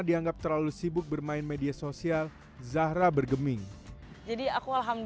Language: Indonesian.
dianggap terlalu sibuk bermain media sosial zahra bergembira dengan suatu pertempuran yang terlalu menarik pada saat itu